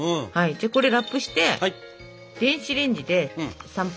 これラップして電子レンジで３分。